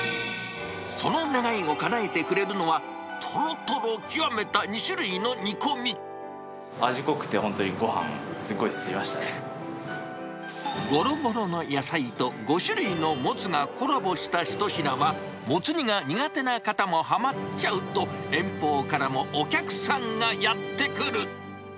その願いをかなえてくれるのは、味濃くて、本当にごはん、ごろごろの野菜と５種類のモツがコラボした一品は、モツ煮が苦手な方もはまっちゃうと、遠方からもお客さんがやって来る。